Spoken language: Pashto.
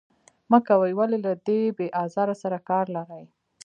مه کوئ، ولې له دې بې آزار سره کار لرئ.